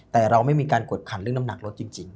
แต่เราไม่มีการกดขันเรื่องน้ำหนักรถจริง